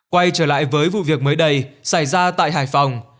quay trở lại với vụ việc mới đây xảy ra tại hải phòng